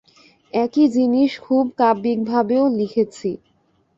একই জিনিস খুব কাব্যিকভাবেও লিখেছি।